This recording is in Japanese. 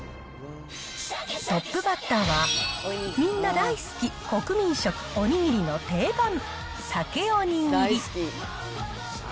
トップバッターは、みんな大好き、国民食、お握りの定番、サケお握り。